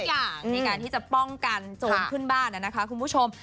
อย่างในการที่จะป้องกันโจรขึ้นบ้านนะคะคุณผู้ชม